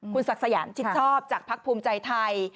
คุณศักดิ์สยามชิดชอบจากภักดิ์ภูมิใจไทย